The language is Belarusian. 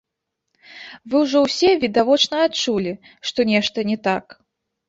Вы ўжо ўсе, відавочна, адчулі, што нешта не так?